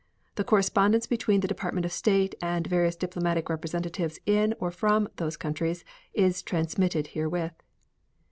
The correspondence between the Department of State and various diplomatic representatives in or from those countries is transmitted herewith.